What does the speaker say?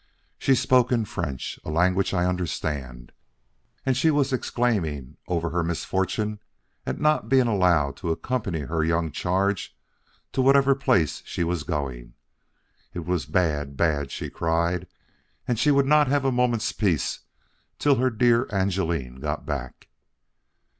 She spoke in French, a language I understand, and she was exclaiming over her misfortune at not being allowed to accompany her young charge to whatever place she was going. It was bad, bad, she cried, and she would not have a moment's peace till her dear Angeline got back.